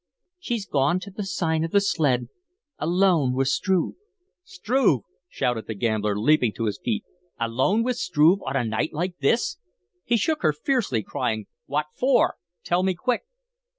"She's gone to the Sign of the Sled alone with Struve." "Struve!" shouted the gambler, leaping to his feet. "Alone with Struve on a night like this?" He shook her fiercely, crying: "What for? Tell me quick!"